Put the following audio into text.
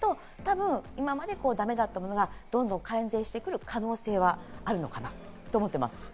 今までだめだったものが、どんどん改善してくる可能性はあるのかなと思っています。